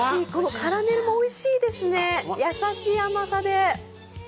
カラメルもおいしいですね、優しい甘さで。